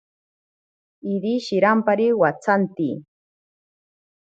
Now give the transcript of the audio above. Iri shirampari watsanti.